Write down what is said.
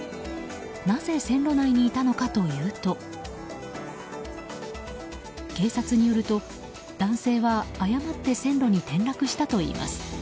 なぜ線路内にいたのかというと警察によると男性は誤って線路に転落したといいます。